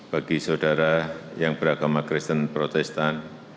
bagi saudara yang beragama kristen protestan